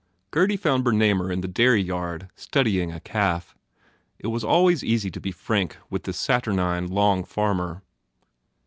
Gurdy found Bernamer in the dairy yard studying a calf. It was always easy to be frank with the saturnine, long farmer.